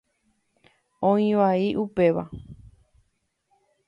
Oĩ vai upéva.